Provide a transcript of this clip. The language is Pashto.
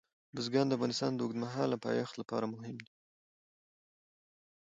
بزګان د افغانستان د اوږدمهاله پایښت لپاره مهم دي.